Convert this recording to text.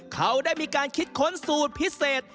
เขาได้มีการคิดค้นสูตรพิเศษ